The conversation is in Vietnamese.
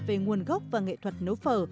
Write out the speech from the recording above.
về nguồn gốc và nghệ thuật nấu phở